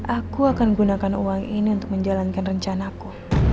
aku akan menggunakan uang ini untuk menjalankan rencana ku